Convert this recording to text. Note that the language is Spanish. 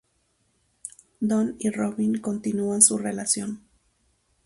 Don y Robin continúan su relación.